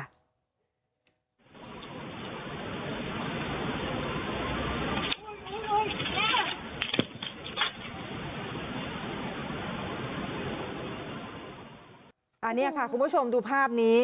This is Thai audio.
อันนี้ค่ะคุณผู้ชมดูภาพนี้